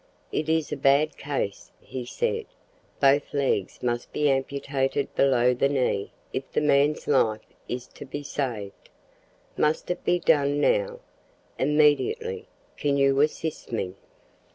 "It is a bad case," he said; "both legs must be amputated below the knee if the man's life is to be saved." "Must it be done now?" "Immediately. Can you assist me?"